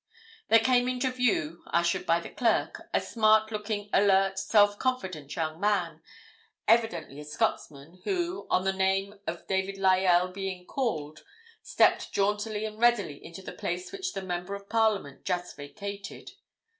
There came into view, ushered by the clerk, a smart looking, alert, self confident young man, evidently a Scotsman, who, on the name of David Lyell being called, stepped jauntily and readily into the place which the member of Parliament just vacated.